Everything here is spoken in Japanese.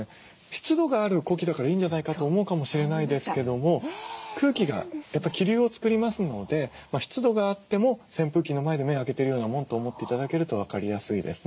湿度がある呼気だからいいんじゃないかと思うかもしれないですけども空気がやっぱり気流を作りますので湿度があっても扇風機の前で目開けてるようなもんと思って頂けると分かりやすいですね。